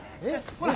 ほら！